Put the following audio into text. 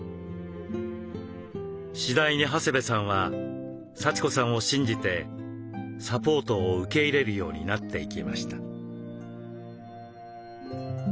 次第に長谷部さんは幸子さんを信じてサポートを受け入れるようになっていきました。